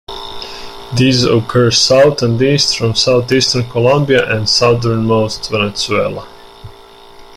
These occur south and east from southeastern Colombia and southernmost Venezuela.